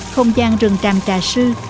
không gian rừng tràm trà sư